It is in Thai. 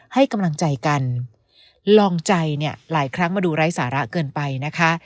ให้กำลังใจกันลองใจเนี่ยหลายครั้งมาดูไร้สาระเกินไปนะคะ